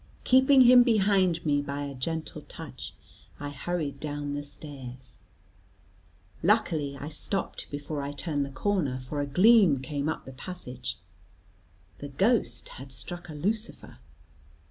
Keeping him behind me by a gentle touch, I hurried down the stairs. Luckily, I stopped before I turned the corner, for a gleam came up the passage; the ghost had struck a lucifer.